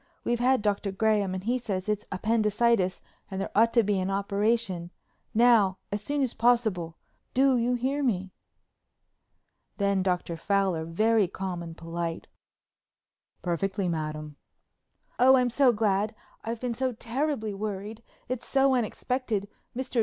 We've had Dr. Graham and he says it's appendicitis and there ought to be an operation—now, as soon as possible. Do you hear me?" Then Dr. Fowler, very calm and polite: "Perfectly, madam." "Oh, I'm so glad—I've been so terribly worried. It's so unexpected. Mr.